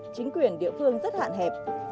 chính quyền địa phương rất hạn hẹp